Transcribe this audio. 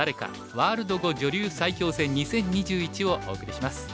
ワールド碁女流最強戦２０２１」をお送りします。